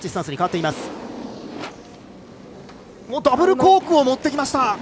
ダブルコークを持ってきました！